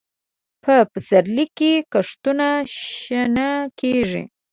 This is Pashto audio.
په پسرلي کې کښتونه شنه کېږي.